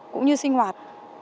cũng như sinh hoạt